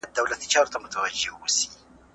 د وچکالی له امله ډېر څاروي تلف سول.